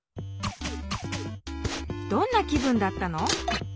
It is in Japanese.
どんな気分だったの？